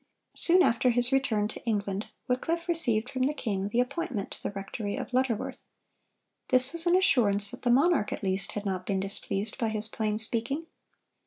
(114) Soon after his return to England, Wycliffe received from the king the appointment to the rectory of Lutterworth. This was an assurance that the monarch at least had not been displeased by his plain speaking.